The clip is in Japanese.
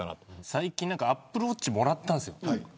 最近アップルウォッチもらったんですよ。